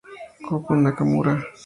Go Nakamura